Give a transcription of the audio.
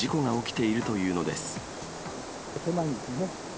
狭いんですよね。